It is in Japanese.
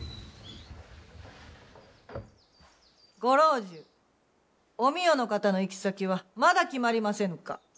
ご老中お美代の方の行き先はまだ決まりませぬか？